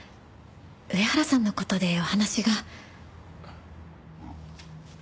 上原さんの事でお話が。